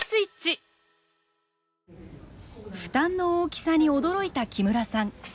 負担の大きさに驚いた木村さん。